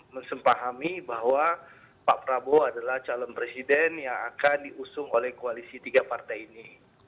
mesempahami bahwa pak prabowo adalah calon presiden yang akan diusung oleh koalisi tiga partai ini